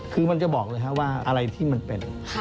คือมันจะบอกเลยครับว่าอะไรที่มันเป็น